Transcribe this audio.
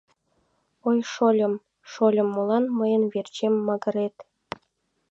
Ой, шольым, шольым, молан мыйын верчем магырет?